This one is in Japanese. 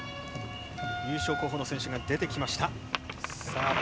優勝候補の選手が出てきました。